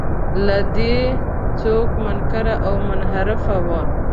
له دې څوک منکر او منحرف و.